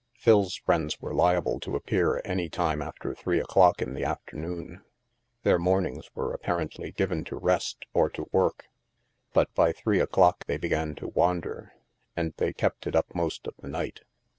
Phil's friends were liable to appear any time after three o'clock in the afternoon. Their morn ings were apparently given to rest or to work. But by three o'clock they began to wander, and they kept it up most of the night.